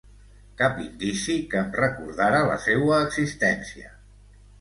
Cap indici que em recordara la seua existència.